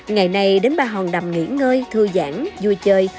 ngày này đến ba hòn đầm nghỉ ngơi thư giãn vui chơi